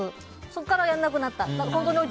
そこからやらなくなった。